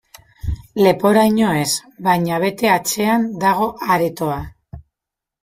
Leporaino ez, baina bete antzean dago aretoa.